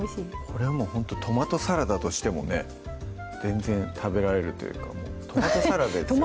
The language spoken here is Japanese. これもうほんとトマトサラダとしてもね全然食べられるというかトマトサラダですよね